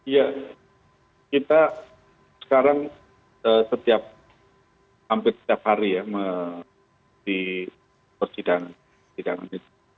ya kita sekarang setiap hampir setiap hari ya di persidangan itu